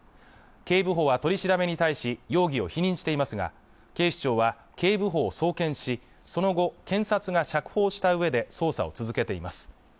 警部補は取り調べに対し容疑を否認していますが警視庁は警部補を送検しその後検察が釈放したうえで捜査を続けています